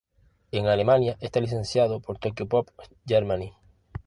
En Alemania está licenciado por Tokyopop Germany.